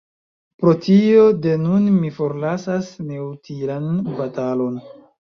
Pro tio, de nun mi forlasas neutilan batalon.